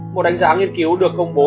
một đánh giá nghiên cứu được công bố